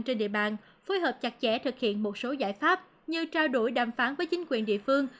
trên địa bàn phối hợp chặt chẽ thực hiện một số giải pháp như trao đổi đàm phán với chính quyền địa phương